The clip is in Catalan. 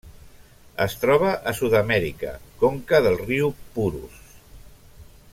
Es troba a Sud-amèrica: conca del riu Purus.